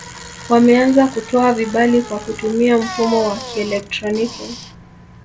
Wameanza kutoa vibali kwa kutumia mfumo wa kielektroniki